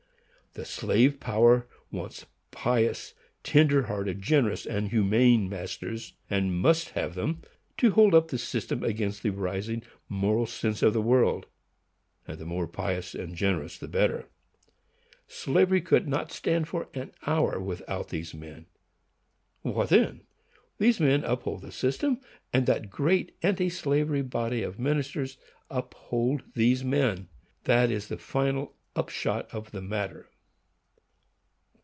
The slave power wants pious, tender hearted, generous and humane masters, and must have them, to hold up the system against the rising moral sense of the world; and the more pious and generous the better. Slavery could not stand an hour without these men. What then? These men uphold the system, and that great anti slavery body of ministers uphold these men. That is the final upshot of the matter.